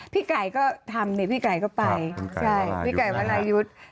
พี่ไก่ก็ทำนี่พี่ไก่ก็ไปใช่พี่ไก่วรายุทธ์